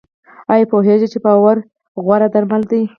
ایا پوهیږئ چې باور غوره درمل دی؟